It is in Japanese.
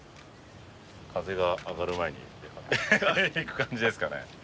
風があがる前に行く感じですかね？